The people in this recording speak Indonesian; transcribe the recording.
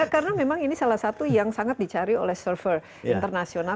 karena memang ini salah satu yang sangat dicari oleh surfer internasional